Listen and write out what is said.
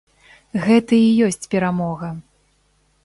Гэта і ёсць перамога.